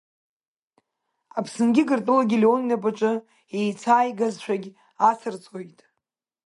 Аԥсынгьы Гыртәылагьы Леон инапаҿы еицааигазшәагь ацырҵоит.